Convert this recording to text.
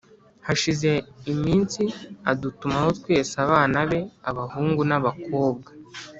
hashize iminsi adutumaho twese abana be, abahungu n’abakobwa,